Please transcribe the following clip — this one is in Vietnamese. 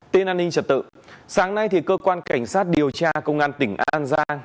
tên an ninh trật tự sáng nay thì cơ quan cảnh sát điều tra công an tỉnh an giang